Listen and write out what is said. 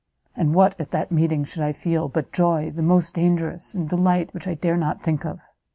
and what, at that meeting, should I feel, but joy the most dangerous, and delight which I dare not think of!